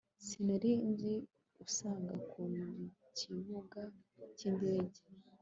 sinari nzi uzansanga ku kibuga cyindege